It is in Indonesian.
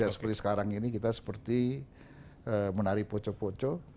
ya seperti sekarang ini kita seperti menari poco poco